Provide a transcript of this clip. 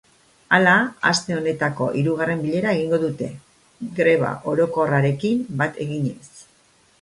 Hala, aste honetako hirugarren bilera egingo dute, greba orokorrarekin bat eginez.